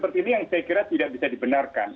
makalat prinsip yang saya kira ini tidak bisa dibenarkan